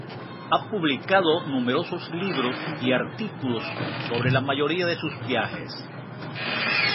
Ha publicado numerosos libros y artículos sobre la mayoría de sus viajes.